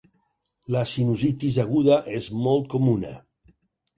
La sinusitis aguda és molt comuna.